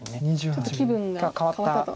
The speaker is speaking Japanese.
ちょっと気分が変わったと。